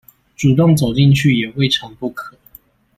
主動走進去也未嘗不可